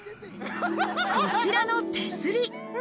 こちらの手すり。